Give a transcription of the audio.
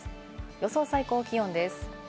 予想最高気温です。